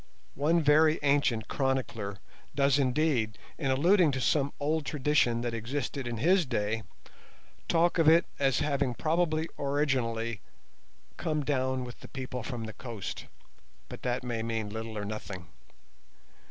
One very ancient chronicler does indeed, in alluding to some old tradition that existed in his day, talk of it as having probably originally "come down with the people from the coast", but that may mean little or nothing.